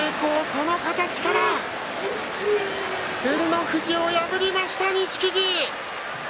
その形から照ノ富士を破りました錦木。